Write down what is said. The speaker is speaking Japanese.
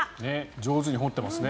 上手に掘ってますね。